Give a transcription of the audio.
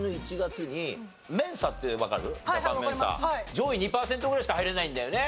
上位２パーセントぐらいしか入れないんだよね？